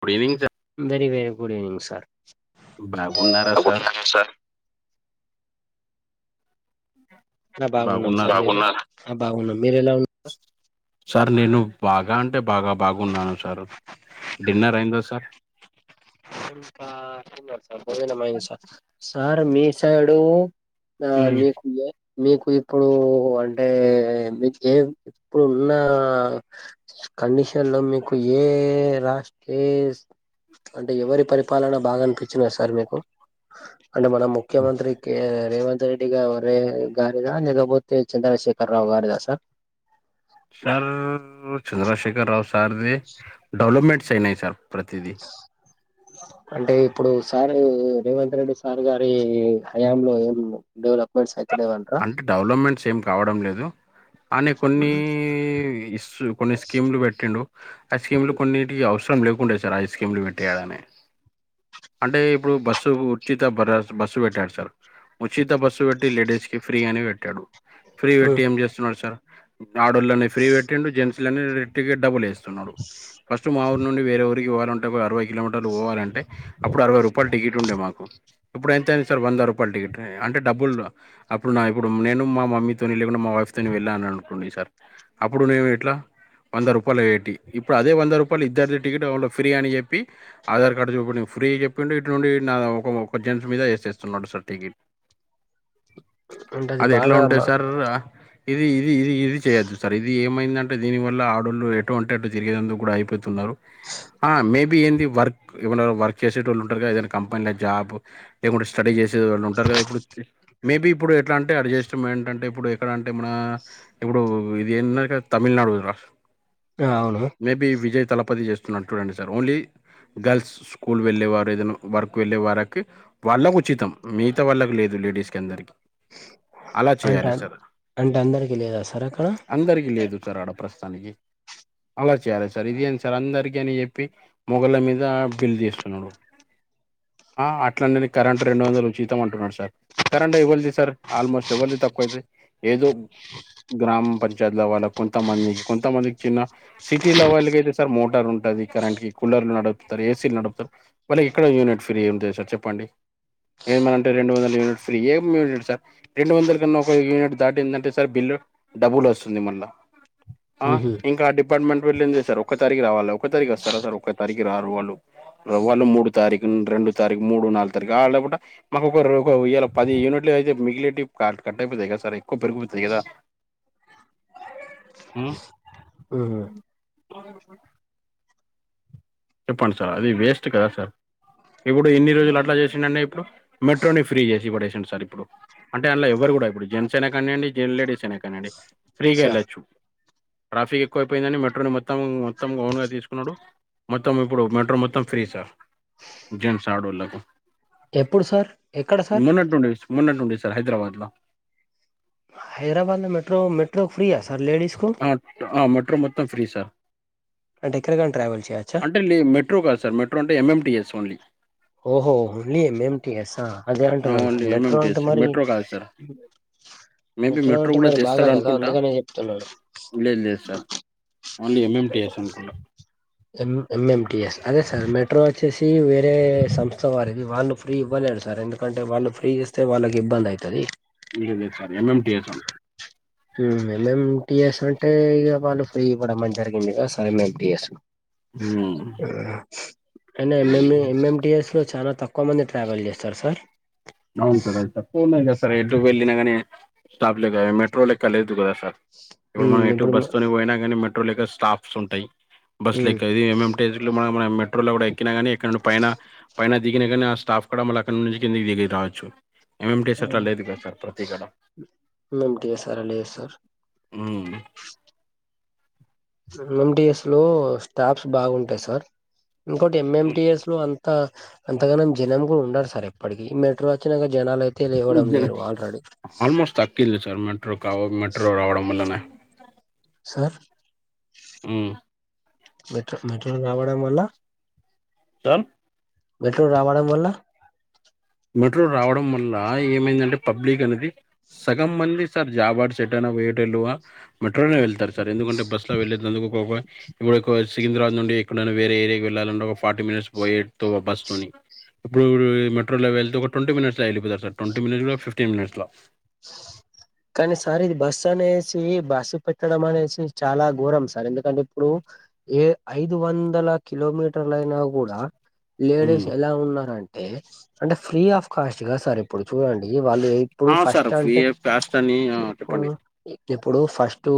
Good evening sir. Very very good evening sir. బాగున్నారా sir. నా బాగున్నాం సార్ బాగున్నారు బాగున్నాం ఆహ్ బాగున్నాం. మీరు ఎలా ఉన్నా సార్ నేను. బాగా అంటే బాగా బాగున్నాను సార్ డిన్నర్ అయింద సార్. ఇంకా [unintelligible] సార్ సార్ మీ సైడు. ఆహ్ మీకు దా. మీకు ఇప్పుడు అంటే మీకు ఏం ఇప్పుడున్న. కండిషన్ లో మీకు ఏ రాశి ఏస్. అంటే ఎవరి పరిపాలన బాగా అనిపించింది సార్ మీకు అంటే మన ముఖ్యమంత్రికే. రేవంత్ రెడ్డి గ వరే గారిదా లేకపోతే చంద్రశేఖర్ రావు గారిదా సార్. సార్ చంద్రశేఖర రావు సార్ది డెవలప్మెంట్స్ అయినాయి సార్. ప్రతిది. ఆహ్. అంటే ఇప్పుడు సార్ రేవంత్ రెడ్డి సార్ గారి హయాంలో ఏం డెవలప్మెంట్స్ అయి. అంటే డెవలప్మెంట్స్ ఏం కావడం లేదు. అనే కొన్ని ఇస్ కొన్ని స్కీములు పెట్టిండు ఆ స్కీములు కొన్నింటికి అవస. అవసరం లేకుండే సార్ ఐ స్కీమ్లు పెట్టేయడని. అంటే ఇప్పుడు బస్సు ఉచిత బరస్ బస్సు పెట్టాడు సార్. ఉచిత బస్సు పెట్టి లేడీస్ కి ఫ్రీ అని పెట్టాడు ఫ్రీ హ్మ్ పెట్టి ఏం చేస్తున్నాడు సార్. ఆడలని ఫ్రీ పెట్టిండు జెంట్స్లని టికెట్ డబ్బులేస్తున్నాడు ఫస్ట్ మా ఊరు. ఇప్పుడు వేరే ఊరికి పోవ్వాలంటే అరవై కిలోమీటర్లు పోవాలంటే అప్పుడు అరవై రూపాయ టికెట్ ఉండే మాకు. ఇప్పుడు ఎంత అయింది సార్ వంద రూపాయలై టికెట్ అంటే డబ్బులు. అప్పుడు నా ఇప్పుడు నేను మా మమ్మీతోని లేకుండా మా వైఫ్తో వెళ్ళాను అనుకోండి సార్ అప్పుడు నేను ఎట్లా. వంద రూపాయలు ఎయిటి ఇప్పుడు అదే వంద రూపాయలు ఇద్దరిదీ టికెట్ ఫ్రీ అని చెప్పి ఆధార్ కార్డు చూపు. ఫ్రీ చెప్పండు ఇటు నుండి నా ఒక ఒక జెయింట్స్ మీద వేసేస్తున్నాడు సర్ టికెట్. అంటే అది ఎట్లా బాగా ఉంటాయి మా సార్. ఇది ఇది ఇది ఇది చేయొద్దు సార్ ఇది ఏమైందంటే దీని వల్ల ఆడోళ్ళు ఎటు అంటే అటు తిరిగేందుకు కూడా అయిపోతున్నారు. ఆహ్ మేం. ఏంది వర్క్మైనా వర్క్ చేసే వాళ్ళు ఉంటారు కదా ఏదైనా కంపెనీల జాబ్ లేకుంటే స్టడీ చేసే వాళ్ళు ఉంటారు. ఇప్పుడు మేబి ఇప్పు. ఇప్పుడు ఎట్లా అంటే అడ్జస్ట్మెంట్ ఏంటంటే ఇప్పుడు ఎక్కడ అంటే మన ఇప్పుడు ఇది ఏంది తమిళనాడు రాప్. ఆ అవును మే బి విజయ్. తలపతి చేస్తున్నడు చూడండి సార్ ఓన్లీ గర్ల్స్ స్కూల్ వెళ్ళేవారు ఏదైనా వర్క్ వెళ్ళే వారికి. వాళ్ళకు ఉచితం మిగతా వాళ్ళకు లేదు లేడీస్ కి అందరికి. అలా అంటే చేయాలి అన్- సార్ అంటే అందరికి లేదా సార్ అక్కడ అందరికి లేదు సార్ ఆడ ప్రస్ తానికి అలా చేయాలి సార్ ఇదెంది సార్ అందరికి అని చెప్పి మొగోళ్ల మీద బిల్ తీస్తున్నాడు ఆ అట్లా నేను కరెంటు రెండు వందలు ఉచీతం అంటున్నాడు సార్ కరెంటు ఎవ్వల్ తీస్ సార్ ఆల్మోస్ట్ ఎవల్ది తక్కువది ఏదో గ్రామ పంచాయతీ లెవల్ కొంతమందికి కొంతమందికి చిన్న సిటీ లెవెల్కి అయితే సార్ మోటార్ ఉంట అది కరెంట్ కి కూలర్లు నడుపుతారు ఏసీలు నడుపుతారు వాళ్ళకి ఇక్కడ యూనిట్ ఫ్రీ అంతే సార్ చెప్పండి ఏమన్నంటే రెండు వందల యూనిట్ ఫ్రీ ఎం రెండు వందల కన్నా ఒక యూనిట్ దాటిందంటే సార్ బిల్ డబుల్ వస్తుంది మళ్ళా ఆ ఊహూ ఇంకా డిబ్ పార్ట్మెంటోళ్లెంచేస్తారు ఒక తారీకే రావాలి ఒక తారీకస్తారా సార్ ఒక్క తారీకి రారు వాళ్ళు వాళ్ళు మూడు తారీఖు రెండు తారీఖు మూడు నాలుగు తారీఖు లేకుండా మాకు ఒక ఇయాల్ పది యూనిట్ తే మిగిలిటి కార్ కట్టపోతాయ్కదా సార్ ఇక్కువ బారువనిపిత్తది కదా మ్ ఊహూ చెప్పండి సార్ అది వేస్ట్ కదా సార్ ఇప్పుడు ఇన్ని రోజులు అట్లా చేసిండడు అన్నే ఇప్పుడు మెట్రోనే ఫ్రీ చేసి పడేసిండు సార్ ఇప్పుడు అంటే అంలో ఎవ్వరు ఇప్పుడు జెంట్స్ అయినా కానివయండి లేడీస్ అయినా కానిండి ఫ్రీగా సార్ వెళ్ళొచ్చు ట్రాఫిక్ ఎక్కువైపోయిందని మెట్రోని మొత్తం మొత్తం ఓన్గా తీసుకున్నాడు మొత్తం ఇప్పుడు మెట్రో మొత్తం ఫ్రీ సార్ జెంట్స్ ఆడోళ్ళకు ఎప్పుడు సార్ ఎక్కడ సార్ మొన్నట్ నుండి మొన్నట్ నుండె సార్ హైదరాబాద్ ల హైదరాబాద్లో మెట్రో మెట్రో ఫ్రీయా సార్ లేడీస్కు అ మెట్రో మొత్తం ఫ్రీ సార్ అంటే ఎక్కడికైనా ట్రావెల్ చేయొచ్చా అంటే మెట్రో కాదు సార్ మెట్రో అంటే ఎంఎంటిఎస్ ఓన్లీ ఓహో ఓన్లీ ఏంఏంటిఎస్సా అదే ఆ! అంటున్నాను సార్ ఓన్లీ మెట్రో అంటే ఎంఎంటీఎస్ మరి మెట్రో కాదు సార్ మెట్రో అంటే మరి బాగా కదా అందుకనే చెప్తున్నాడు లేద్ లేద్ సార్ ఓన్లీ ఎంఎంటీఎస్ అనుకుంటా ఎం ఎంఎంటిఎస్ అదే సార్ మెట్రో వచ్చేసి వేరే సంస్థ వారిది వాళ్ళు ఫ్రీ ఇవ్వలేడు సార్ ఎందుకంటే వాళ్ళు ఫ్రీ చేస్తే వాళ్ళకి ఇబ్బంది అయితది ఇయ్యలేరు సార్ ఎంఎంటీఎస్ అవును ఎంఎంటిఎస్ అంటే ఈగ వాళ్ళు ఫ్రీ ఇవ్వడం జరిగింది కదా సార్ ఎంఎంటిఎస్లో హ్మ్. అయినా ఎం ఎం ఎంఎంటిఎస్లో చాలా తక్ క్కువ మంది ట్రావెల్ చేస్తారు సార్ అవును సార్ అవి తక్కువ ఉన్నాయి కదా సార్ ఎటు వెళ్లి యినా గాని స్టాప్లే మెట్రో లెక్క లేదు కదా సార్ ఇప్పుడు మనం ఎటు బస్సు తోని పోయినా కానీ మెట్ మెట్రో లెక్క స్టాప్స్ ఉంటయి బస్ ఉమ్ లెక్క ఇది ఎంఎంటీఎస్లో మ మ మన మెట్రో లో కూడా క్కిన గానీ ఎక్కడ నుండి పైన పైన దిగిన గాని ఆ స్టాప్ కాడా మళ్ళ అక్కడ నుంచి కిందకి దిగి రావచ్చు ఎంఎంటీఎస్ అట్లా లేదు కదా సార్ ప్రతి గడ ఎంఎంటిఎస్ అలా లేదు సార్ మ్ ఎంఎంటిఎస్ లో స్టాఫ్స్ బాగుంటాయి సార్ ఇంకోటి ఎంఎంటిఎస్ లో అంత అంతగనం జనం కూడా ఉండరు సార్ ఇప్పటికీ మెట్రో వచ్చినాక జనాలయ్ ఉజ్జనీ ఆల్మోస్ట్ తట్టింది సార్ మెట్రోకావ మెట్రో రావడం వల్లనే సార్ మ్ మెట్రో మెట్రో రావడం వల్ల సం మెట్రో రావడం వల్ల మెట్రో రావడం వల్ల ఏమైందంటే పబ్లిక్ అనేది సగం మంది సార్ జాబాట్ సెట్టాయినా వేటిలువ వె మెట్రో లోనె వెళ్తారు సార్ ఎందుకంటే బస్ లో వెళ్లే తందుకుకోవ ఇప్పుడెక్కువ సికింద్రాబాద్ నుండి ఎక్కడైనా వేరే ఏరియాకి వెళ్ళాలంటే ఒక ఫార్టీ మినిట్స్ పోయే తో బస్ తోని ఇప్పుడు మెట్రో లో వెళ్తే ఒక ట్వంటీ మినిట్స్ వెళ్ళిపోతార్ sir twenty minutes fifteen minutes ల కానీ సార్ ఇది బస్సు అనేసి బస్సు పెట్టడం అనేసి చాలా ఘోరం సార్ ఎందుకంటే ఇప్పుడు ఏ ఐదు వందల కిలోమీటర్లయినా గుడా లేడీస్ మ్మ్. ఎలా ఉన్నారంటే అంటే ఫ్రీ ఆఫ్ కాస్ట్ గా సార్ ఇప్పుడు చూడండి వాళ్ళు ఇప్పుడు ఆ సార్ ఫస్ట్ ఫ్రీ అంటే కాస్ట్ అని ఆ, ఇప్పుడు చెప్పండి ఇప్పుడు ఫస్ట్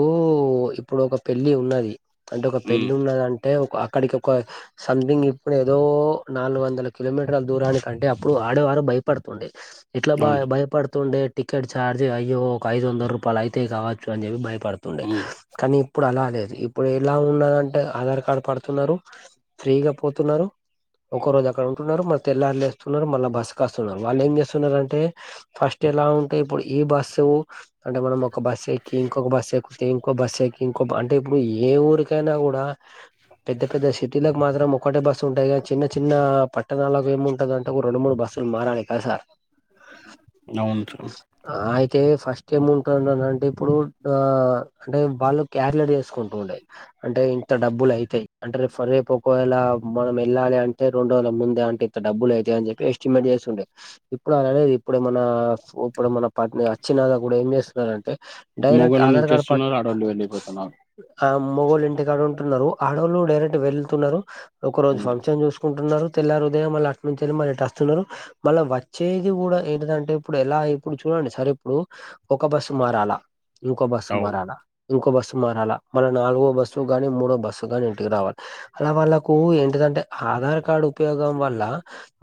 ఇప్పుడు ఒక పెళ్లి ఉన్నది అంటే ఒక పెళ్లి మ్మ్. ఉన్నదం అంటే ఒక అక్కడికి ఒక సంథింగ్ ఇప్పుడు ఏదో నాలుగు వందల కిలోమీటర్ల దూరానికంటే అప్పుడు ఆడవారు భయపడుతుండే ఎట్లా అవును సార్ భయపడుతూ ఉండే టికెట్ చార్జ్ అయ్యో ఒక ఐదు వందల రూపాయలు అయితయ్ కావచ్చు అని చెప్పి భయ పడుతుండే మ్మ్. కానీ ఇప్పుడు అలా లేద్ ఇప్పుడు ఎలా ఉన్నదంటే ఆధార్ కార్డు పడుతున్నారు ఫ్రీగా పోతున్నారు ఉంకోరోజు అక్కడ ఉంటున్నారు మల్ల తెల్లారి లేస్తున్నారు మల్ల బస్ కస్తున్నారు వాళ్లు ఏం చేస్తున్నారంటే ఫస్ట్ ఎలా అంటే ఇప్పుడు ఈ బస్సు అంటే మనం ఒక బస్ ఎక్కి ఇంకొక బస్ ఎక్కి ఇంకో బస్ ఎక్కి ఇంకో అంటే ఇప్పుడు ఏ ఊరికైనా గుడా పెద్ద పెద్ద సిటీలకు మాత్రం ఒకటే బస్సు ఉంటాద్ గనీ చిన్న చిన్న పట్టణాలకు ఏమిముంటాదంటే ఒక రెండు మూడు బస్ లు మారాలి కదా సార్ ఔన్ సార్ అయితే ఫస్ట్ ఏముంటందంటే ఇప్పుడు ఆ అంటే వాళ్ళు క్యాలిక్యులేట్ చేసుకు ఉండాయి అంటే ఇంత డబ్బులు అయితై అంటే రేపు ఒకవేళ మనం ఎళ్ళాలి అంటే రొండోలకు ముందే అంటే ఇంత డబ్బులు అయితాయ్ అని చెప్పి ఎస్టిమేట్ చేస్తుండే ఇప్పుడు అలా లేద్ ఇప్పుడేమన్నా ఇప్పుడు మన పత్ అచ్చినా గుడా ఏం చేస్తున్నరంటే డైరెక్ట్ మొగలు ఆధార్ కార్డు పట్ నుంచేస్తున్నారు ఆడవాళ్ళు వెళ్ళిపోతున్నారు ఆ మొగుళ్ళు ఇంటికాడ ఉంటున్నారు ఆడోళ్ళు డైరెక్ట్ వెళుతున్నారు ఒక రోజు మ్మ్. ఫంక్షన్ చూసుకు కుంటున్నారు తెల్లారుదయం మళ్ళ అట్ నుంచెల్ మళ్ళ ఇట్ అస్తున్నారు మళ్ళ వచ్చేది గుడా ఏంటదంటే ఇప్పుడు ఎలా ఇప్పుడు చూడండి సార్ ఇప్పుడు ఒక బస్సు మారాలా ఇంకో బస్సుక్ అవును మారాలా ఇంకో బస్సు మారాలా మళ్ళ నాలుగో బస్సు గాని మూడో బస్సు గాని ఇంటికి రావాల అలా వాళ్ళకు ఏంటిదంటే ఆధార్ కార్డ్ ఉపయోగం వల్ల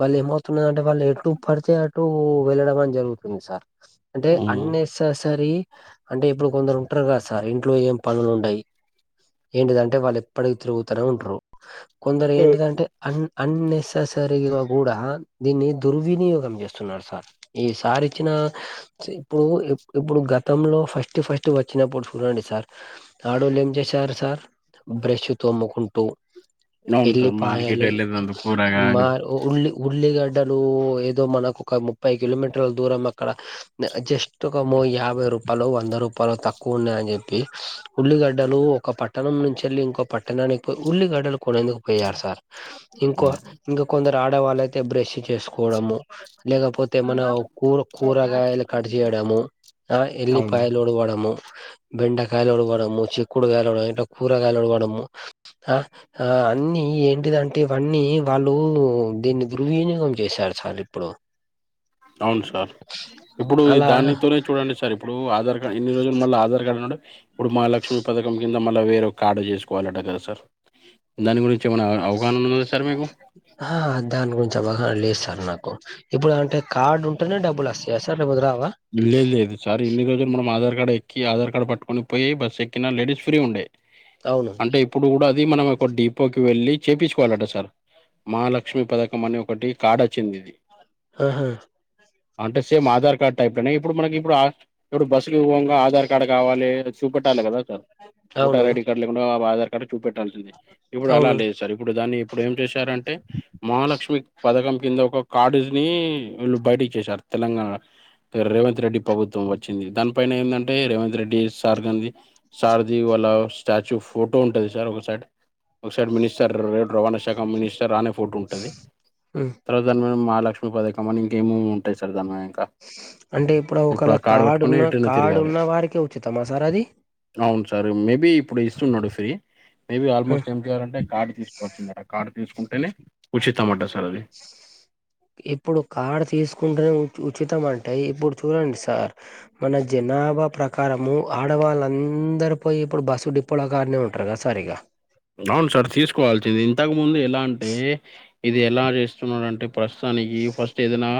వాళ్ళు ఏమవుతున్నదంటే వాళ్ళు ఎటు పడితే అటు వెళ్ళడం అని జరుగుతుంది సార్ అంటే మ్మ్. అన్నేసేసరి అంటే ఇప్పుడు కొందరు ఉంటారు కదా సార్ ఇ ట్లో ఏం పనులు ఉండయి ఏంటిదంటే వాళ్ళు ఎప్పడికి తిరుగుతనే ఉంటారు కొందరు ఏంటిదంటే అన్ అన్నెససరీగా కూడా దీన్ని దుర్వినియోగం చేస్తున్నారు సార్ ఈసారి ఇచ్చిన ఇప్పు ఎప్ ఇప్పుడు గతంలో ఫస్ట్ ఫస్ట్ వచ్చినప్పుడు చూడండి సార్ ఆడోళ్ళు ఏం చేసారు సార్ బ్రష్ తోముకుంటూ అవును ఎల్లి సార్ మార్కెట్ పాయలు వెళ్ళేదందుకు మ కూరగాయలు ఉళ్ ఉళ్లిగ డ్డలు ఏదో మనకు ఒక ముప్పై కిలోమీటర్ల దూరంగా ఇక్కడ జస్ట్ ఒకో మ్మో యాభై రూపాయలు వంద రూపాయలు తక్కువ ఉన్నాయని చెప్పి ఉల్లిగడ్డలు ఒక పట్టణం నుంచి వెళ్లి ఇంకో పట్టణానికి పోయి ఉల్లిగడ్డలు కొనేందుకు పోయారు సార్ ఇంకో ఇంక కొందరు ఆడేవాళ్ళయితే బ్రష్ చేసుకోవడము లేకపోతే మన కూర కూరగాయలు కట్ జేయడము ఆ అవును ఎల్లిపాయలు ఉడవడము బెండకాయలు డవడము చిక్కుడు కాయలుడము ఇ కూరగాయలుడివడము ఆ ఆ అన్ని ఏంటిదంటే ఇవన్నీ వాళ్ళు దీన్ని దుర్వినియోగం చేశారు చాల ఇప్పుడు అవును సార్ ఇప్పుడు అలా దానితోనే చూడండి సార్ ఇప్పుడు ఆధార్ కార్డ్ ఇన్ని రోజులు మళ్ళీ ఆధార్ కార్డు ఉన్ ఇప్పుడు మహాలక్ష్మి పథకం కింద మళ్ళా వేరే కార్డు చేసుకోవాలి అట కదా సార్ దాని గురించి ఏమనా అవగాహన ఉ ఆ దాని గురించ బ లేదు సార్ నాకు ఇప్పుడు అంటే కార్డ్ ఉంటేనే డబ్బులు వస్తాయ సార్ లేక లేదు లేదు సార్ ఇన్ని రోజులు మనం ఆధార్ కార్డ్ ఆధార్ కార్డ్ పట్టుకొని పోయి బస్ ఎక్కిన లేడీస్ ఫ్రీ ఉండే అవును అంటే ఇప్పుడు కూడా అది మనం ఒక డిపోకి వెళ్ళి చేపిచ్చుకోవాలట సార్ మహాలక్ష్మి పథకం అని ఒకటి కాడ చెందిది ఆహా అంటే సేమ్ ఆధార్ కార్డ్ టైప్నే ఇప్పుడు మనకి ఇప్పుడు ఇప్పుడు బస్సులు పోంగా ఆధార్ కార్డు కావాలి చూపెట్టాలి కదా అవును ఓటర్ ఐడి కార్డు లేకుండా ఆధార్ కార్డు చూపెట్టాల్సింది ఇప్పుడు అలా అవును లేదు సార్ ఇప్పుడు దాన్ని ఇప్పుడు ఏం చేశారంటే మహాలక్ష్మి పథకం కింద ఒక కార్డుని వీళ్ళు బయటికి చేసారు తెలంగాణ రేవంత్ రెడ్డి ప్రభుత్వం వచ్చింది దానిపైన ఏందంటే రేవంత్ రెడ్డి సార్గాంది సార్ది వాళ్ళ స్టాచ్యూ ఫోటో ఉంటది సార్ ఒక సైడ్ ఒక సైడ్ మినిస్టర్ రవాణా శాఖ మినిస్టర్ రాని ఫోట ఉంటది ఉమ్ తర్వాత దాని మీద మహాలక్ష్మి పథకం అని ఇంకేమెము ఉంటాయి సార్ దాని క అంటే ఇప్పుడు ఒకళ కార్డు ఉన్న కార్డు తిరగాలి ఉన్న వారికే ఉచితమా సార్ అది అవును సార్ మేబి ఇప్పుడు ఇస్తున్నాడు ఫ్రీ మేబీ ఆ. ఆల్మోస్ట్ ఏం చేయాలంటే కార్డు తీసుకోచ్చుంద కార్డు తీసుకుంటేనే ఉచి టమాటా సార్ అది ఇప్పుడు కార్డు తీసుకుంటేనే ఉచితం అంటే ఇప్పుడు చూడండి సార్ మన జన్న జనాభా ప్రకారము ఆడవాళ్ళ అందరు పోయి ఇప్పుడు బస్సు డిపోల కానే ఉంటరు కదా సరిగా అవును సార్ తీసుకోవాల్సింది ఇంతకు ముందు ఎలా అంటే ఇది ఎలా చేస్తున్నారు అంటే ప్రస్తుతం నికి ఫస్ట్ ఏదైనా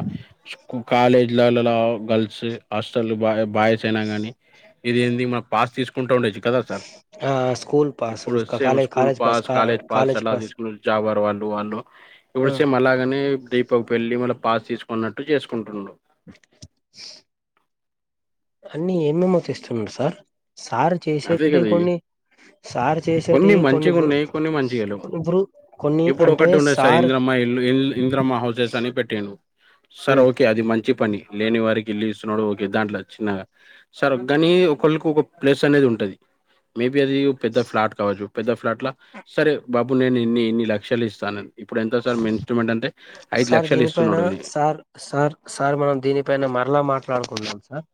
కాలేజ్ లలో గర్ల్స్ హాస్టల్ బా బాయ్స్ అయినా గానీ ఇది ఏంది మన పాస్ తీసుకుంటా ఉండే ఆ school pass same college school college pass కా కాలేజ్ పాస్ అట్లా తీసుకుని జాబారు వాళ్ళు వాళ్ళు ఇప్పుడు ఆ సేమ్ అలాగనే దీపకు పెళ్లి మళ్ళ పాస్ తీసుకున్నట్టు చేసుకుంటున్నాడు అన్ని ఏమేమో చేస్తున్నారు సార్ సార్ అదే చేసేటి కదా కొన్ని సార్ చేసేటివి కొన్ని మంచిగున్నాయి కొన్ని మంచిగా లేవు కొన్నిప్పురు కొన్ని అంటే సార్ మా ఇల్లు ఇంద్రమ్మ హౌసెస్ అని పెట్టిండు సరే ఉమ్, ఓకే అది మం వచ్చి పని లేని వారికి ఇల్లు ఇస్తున్నాడు ఓకే దాంట్లో చిన్నగా సార్ కాని ఒకళ్ళకి ప్లేస్ అనేది ఉంటుది మేబి అది పెద్ద ఫ్లాట్ కావచ్చు పెద్ద ఫ్లాట్ సరే బాబు నేను ఇన్ని ఇన్ని లక్షలు ఇస్తాన సార్ లక్షలు దీనిపైన ఇస్తున్నాడు ఈయన సార్ సార్ సార్ మనం దీనిపైన మ మరిలా మాట్లాడుకుంటున్నాం సార్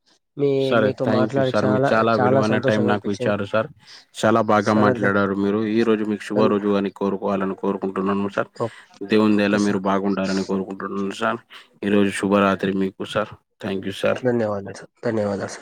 మీ సరే మీతో థ్యాంక్ యూ మాట్లాడి సార్ మీరు చాలా విలువైన టైం సంతోషంగా నాకు అనిపించింది విచ్చారు సార్ చాలా బాగా సార్ మాట్లా ధన్ డారు మీరు ఈ రోజు మీకు శుభ ధన్ రోజుగా కోరుకోవాలను కోరుకుంటున్నాను సార్ ఓ- దేవు దేలా ఓకే మీరు సార్ బాగుండాలని కోరుకుంటున్నాను సార్ ఈ రోజు శుభరాత్రి మీకు కుష ధన్యవాదాలు సార్ ధన్యవాదాలు సార్